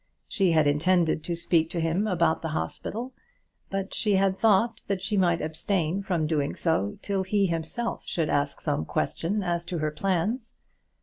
She had intended to speak to him about the hospital; but she had thought that she might abstain from doing so till he himself should ask some question as to her plans.